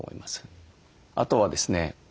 あとはですね